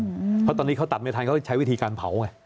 เพราะตอนนี้เขาตัดไม่ทันเขาใช้วิธีการเผาไง